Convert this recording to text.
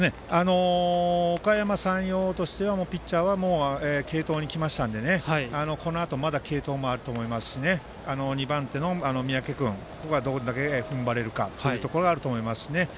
おかやま山陽としてはピッチャーは継投に来ましたのでこのあと継投もあると思いますし２番手の三宅君がどれだけ踏ん張れるかというのもあると思いますしね。